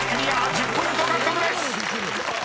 １０ポイント獲得です］